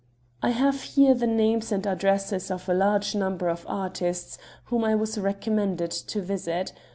"I have here the names and addresses of a large number of artists whom I was recommended to visit.